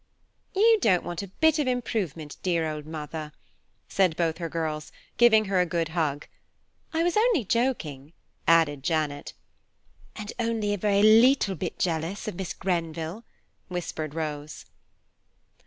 "You don't want a bit of improvement, dear old mother," said both her girls, giving her a good hug. "I was only joking," added Janet. "And only a very leetle bit jealous of Miss Grenville," whispered Rose.